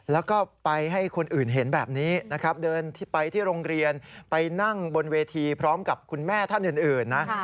แล้วก็ไปให้คนอื่นเห็นแบบนี้นะครับเดินไปที่โรงเรียนไปนั่งบนเวทีพร้อมกับคุณแม่ท่านอื่นนะ